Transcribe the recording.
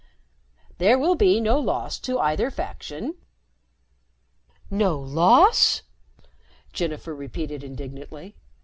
There will be no loss to either faction." "No loss?" Jennifer repeated indignantly.